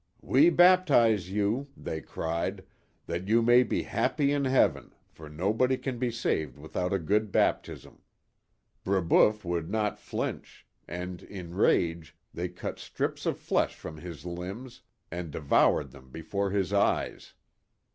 We baptize you, they cried, "that you may be happy in heaven, for nobody can be saved i^ithout a good baptism." 40 The Mohawk Valley Brebeuf would not flinch, and in rage, they cut strips of flesh from his limbs and devoured them before his eyes.